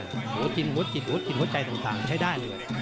เลยถ่วงแยกของดับหัวจิตหัวจิตหัวจิตหัวจิตหัวใจต่างใช้ได้เลย